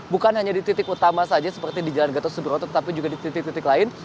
bukan hanya di titik utama saja seperti di jalan gatot subroto tetapi juga di titik titik lain